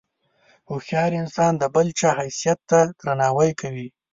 هوښیار انسان د بل چا حیثیت ته درناوی کوي.